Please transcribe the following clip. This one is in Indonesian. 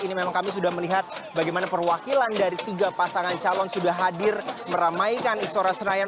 ini memang kami sudah melihat bagaimana perwakilan dari tiga pasangan calon sudah hadir meramaikan istora senayan